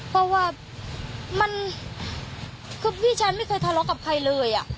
เพราะว่ามันคือพี่ชายไม่เคยทะเลาะกับใครเลย